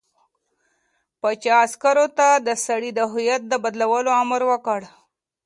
پاچا عسکرو ته د سړي د هویت د بدلولو امر وکړ.